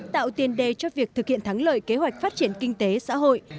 tạo tiền đề cho việc thực hiện thắng lợi kế hoạch phát triển kinh tế xã hội